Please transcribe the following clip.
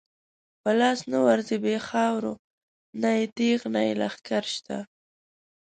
په لاس نه ورځی بی خاورو، نه یی تیغ نه یی لښکر شته